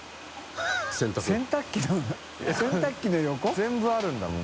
全部あるんだもん